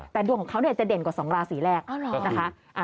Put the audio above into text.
แต่ดวงของเขาจะเด่นกว่า๒ราศีแรกนะคะ